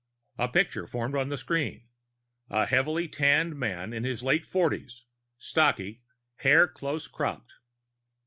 A picture formed on the screen: a heavily tanned man in his late forties, stocky, hair close cropped.